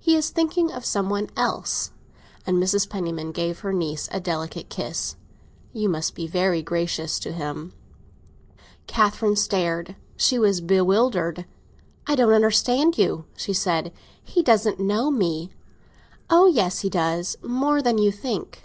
He is thinking of some one else." And Mrs. Penniman gave her niece a delicate little kiss. "You must be very gracious to him." Catherine stared—she was bewildered. "I don't understand you," she said; "he doesn't know me." "Oh yes, he does; more than you think.